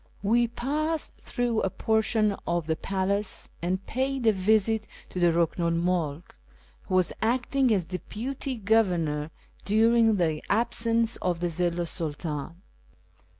We passed through a portion of the palace and paid a visit to the Buhnu 'l Mulk, who was acting as deputy governor during the absence of the Zilhi 's Sultan.